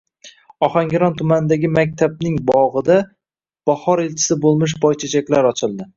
Ohangaron tumanidagi maktabning bogʻida bahor elchisi boʻlmish boychechaklar ochildi.